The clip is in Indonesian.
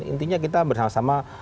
intinya kita bersama sama